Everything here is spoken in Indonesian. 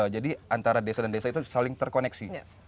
jadi antara desa dan desa itu saling terkoneksi